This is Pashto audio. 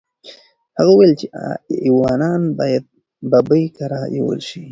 هغه وویل چې ایوانان باید ببۍ کره یوړل شي.